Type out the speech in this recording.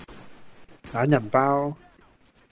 懶人包